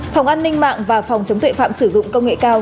phòng an ninh mạng và phòng chống tuệ phạm sử dụng công nghệ cao